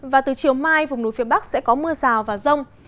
và từ chiều mai vùng núi phía bắc sẽ có mưa rào và rông